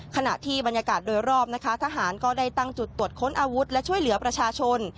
ขณะที่บรรยากาศโดยรอบนะคะทหารก็ได้ตั้งจุดตรวจค้นอาวุธและช่วยเหลือประชาชน